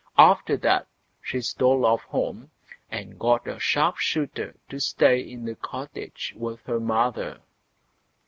After that she stole off home, and got a sharp shooter to stay in the cottage with her mother.